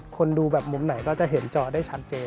ดูแบบมุมไหนก็จะเห็นจอได้ชัดเจน